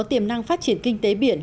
có tiềm năng phát triển kinh tế biển